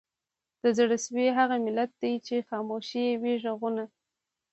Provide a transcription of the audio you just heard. د زړه سوي هغه ملت دی چي خاموش یې وي ږغونه